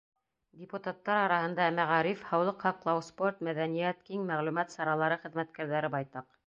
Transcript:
Депутаттар араһында мәғариф, һаулыҡ һаҡлау, спорт, мәҙәниәт, киң мәғлүмәт саралары хеҙмәткәрҙәре байтаҡ.